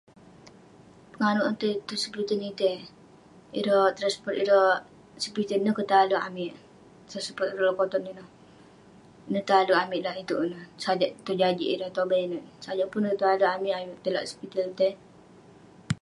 Penganouk amik tai tong sepiten itei ; ireh transport ireh sepiten ineh kek tuai ale amik. Transport ireh lekoton ineh, ineh tuai ale amik lak itouk ineh. Sajak tong jajik ireh tobai ineh, sajak pun ireh ale amik tai lak sepiten itei.